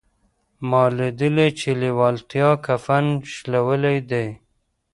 ما ليدلي چې لېوالتیا کفن شلولی دی.